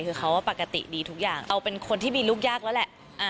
คือเขาปกติดีทุกอย่างเอาเป็นคนที่มีลูกยากแล้วแหละ